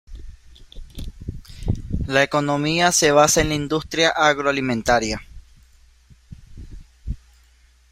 La economía se basa en la industria agroalimentaria.